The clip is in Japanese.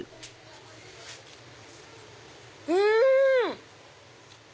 うん！